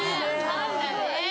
パンダね。